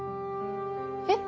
えっ？